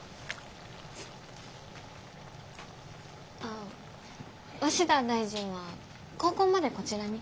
あ鷲田大臣は高校までこちらに？